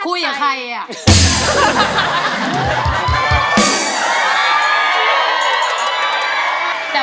คุยกับใครอ่ะ